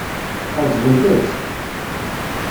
Ɛeǧbent-tt?